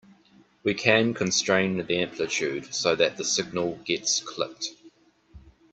We can constrain the amplitude so that the signal gets clipped.